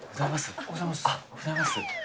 おはようございます。